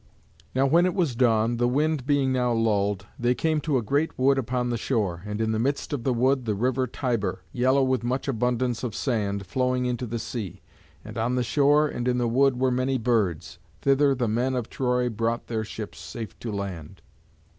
Now when it was dawn, the wind being now lulled, they came to a great wood upon the shore, and in the midst of the wood the river Tiber, yellow with much abundance of sand, flowing into the sea. And on the shore and in the wood were many birds. Thither the men of Troy brought their ships safe to land.